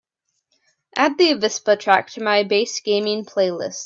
Add the avispa track to my Bass Gaming playlist.